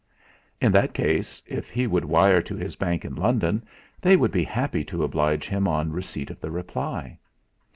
In that case, if he would wire to his bank in London, they would be happy to oblige him on receipt of the reply.